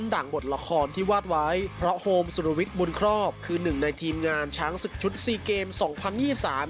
ดังบทละครที่วาดไว้เพราะโฮมสุรวิทย์บุญครอบคือหนึ่งในทีมงานช้างศึกชุดสี่เกมสองพันยี่สิบสาม